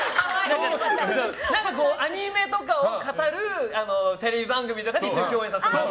何かアニメとかを語るテレビ番組とかで一緒に共演させてもらって。